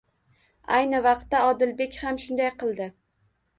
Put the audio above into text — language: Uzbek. Ayni vaqtda Odilbek ham shunday qildi.